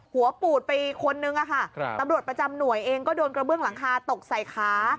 หัวปูดไปคนนึงอะค่ะตำรวจประจำหน่วยเองก็โดนกระเบื้องหลังคาตกใส่ขา